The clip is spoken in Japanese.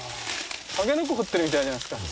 タケノコ掘ってるみたいじゃないすか。